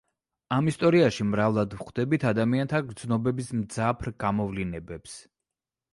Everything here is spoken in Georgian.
ამ ისტორიაში მრავლად ვხვდებით ადამიანთა გრძნობების მძაფრ გამოვლინებებს.